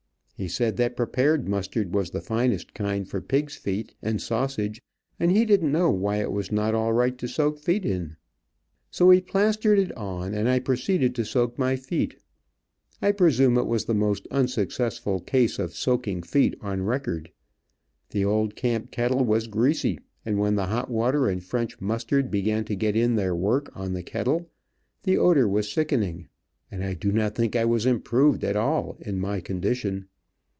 He said that prepared mustard was the finest kind for pigs feet and sausage, and he didn't know why it was not all right to soak feet in. So he plastered it on and I proceeded to soak my feet. I presume it was the most unsuccessful case of soaking feet on record. The old camp kettle was greasy, and when the hot water and French mustard began to get in their work on the kettle, the odor was sickening, and I do not think I was improved at all in my condition.